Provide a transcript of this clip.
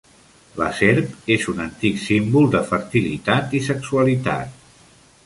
La serp és un antic símbol de fertilitat i sexualitat.